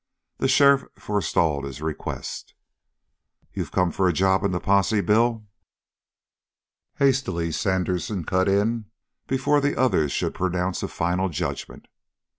The sheriff forestalled his request. "You've come for a job in the posse, Bill?" Hastily Sandersen cut in before the other should pronounce a final judgment.